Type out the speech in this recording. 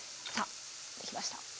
さあできました。